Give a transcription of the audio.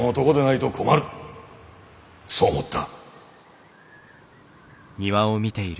そう思った。